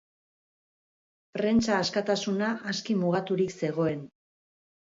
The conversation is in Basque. Prentsa askatasuna aski mugaturik zegoen.